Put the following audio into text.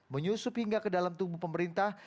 menyusup hingga ke dalam tubuh pemerintah